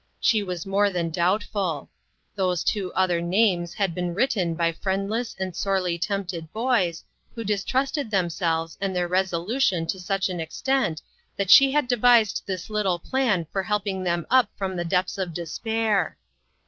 She was more than doubtful. Those two other names had been written by friendless and sorely tempted boys, who distrusted them selves and their resolutions to such an extent that she had devised this little plan for 268 INTERRUPTED. helping them up from the depths of despair.